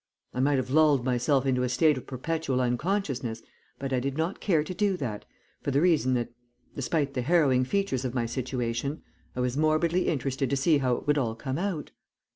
I might have lulled myself into a state of perpetual unconsciousness, but I did not care to do that, for the reason that, despite the harrowing features of my situation, I was morbidly interested to see how it would all come out.